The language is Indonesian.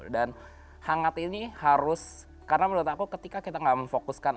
dan hangat ini harus karena menurut aku ketika kita gak memfokuskan